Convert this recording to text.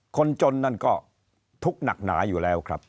คนจนนั่นก็ทุกข์หนักหนาอยู่แล้วครับ